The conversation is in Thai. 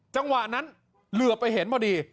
จังหวะนั้นเหลือไปเห็นพอดี